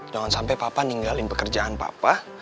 jangan sampai papa tinggalin pekerjaan papa